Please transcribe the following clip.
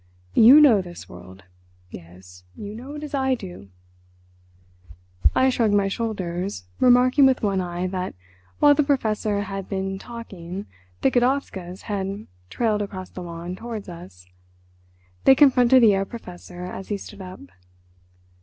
You know this world. Yes, you know it as I do." I shrugged my shoulders, remarking with one eye that while the Professor had been talking the Godowskas had trailed across the lawn towards us. They confronted the Herr Professor as he stood up.